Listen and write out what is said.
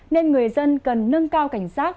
nên người dân cần nâng cao cảnh sát